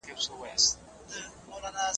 جګړه د بشري تاریخ یوه ویجاړوونکې پدیده ده.